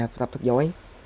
học tập thật giỏi